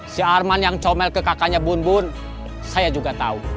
si arman yang comel ke kakaknya bun bun saya juga tahu